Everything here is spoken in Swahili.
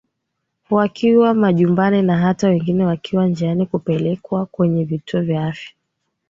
wakiwa majumbani na hata wengine wakiwa njiani kupelekwa kwenye vituo vya afya